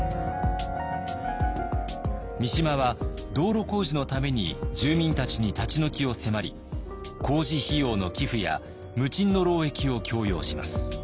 三島は道路工事のために住民たちに立ち退きを迫り工事費用の寄付や無賃の労役を強要します。